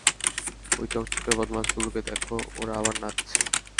ওই চকচকে বদমাশগুলোকে দেখো, ওরা আবার নাচছে।